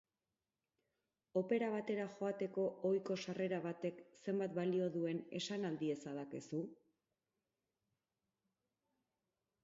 Opera batera joateko ohiko sarrera batek zenbat balio duen esan al diezadakezu?